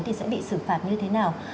thì sẽ bị xử phạt như thế nào